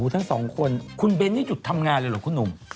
ทั้งสองคนคุณเบ้นนี่หยุดทำงานเลยเหรอคุณหนุ่ม